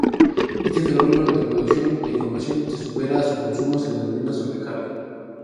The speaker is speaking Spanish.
Este fenómeno de producción de información que supera a su consumo se denomina "sobrecarga".